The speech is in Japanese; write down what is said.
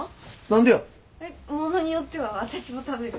ものによってはわたしも食べる。